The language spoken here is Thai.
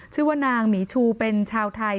ชื่อว่านางหมีชูเป็นชาวไทย